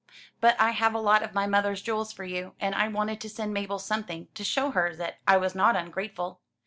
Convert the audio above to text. "But I have a lot of my mother's jewels for you, and I wanted to send Mabel something, to show her that I was not ungrateful."